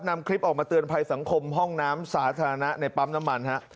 นำคลิปออกมาเตือนภัยสังคมห้องน้ำสาธารณะในปั๊มน้ำมันฮะ